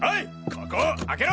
ここを開けろ！！